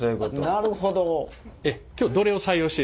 なるほど。